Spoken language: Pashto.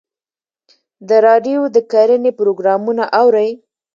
د راډیو د کرنې پروګرامونه اورئ؟